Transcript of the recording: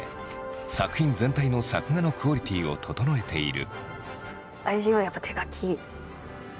作品全体の作画のクオリティーを整えている。